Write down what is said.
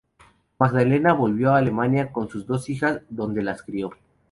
Magdalena volvió a Alemania con sus dos hijas, donde las crio.